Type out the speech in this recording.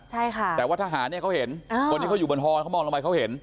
ใช่ค่ะแต่ว่าทหารเนี่ยเขาเห็นคนที่เขาอยู่บนฮอเขามองลงไปเขาเห็น